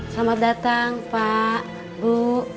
selamat datang pak bu